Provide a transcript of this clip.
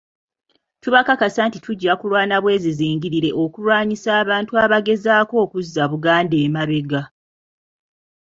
Tubakakasa nti tujja kulwana bwezizingirire okulwanyisa abantu abagezaako okuzza Buganda emabega.